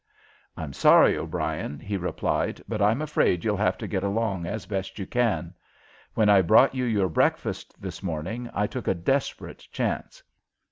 "I'm sorry, O'Brien," he replied, "but I'm afraid you'll have to get along as best you can. When I brought you your breakfast this morning I took a desperate chance.